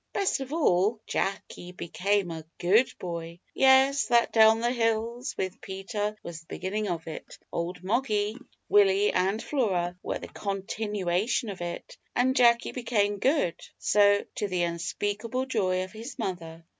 Best of all, Jacky became a good boy! Yes; that day on the hills with Peter was the beginning of it old Moggy, Willie, and Flora, were the continuation of it and Jacky became good, to the unspeakable joy of his mother.